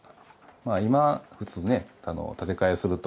今、建て替えすると